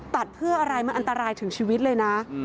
ตัดเพื่ออะไรมันอันตรายถึงชีวิตเลยนะ